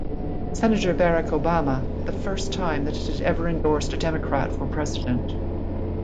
Senator Barack Obama-the first time that it had ever endorsed a Democrat for president.